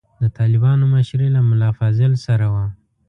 د طالبانو مشري له ملا فاضل سره وه.